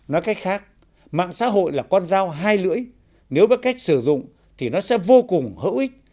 nói cách khác mạng xã hội là con dao hai lưỡi nếu biết cách sử dụng thì nó sẽ vô cùng hữu ích